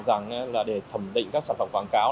rằng là để thẩm định các sản phẩm quảng cáo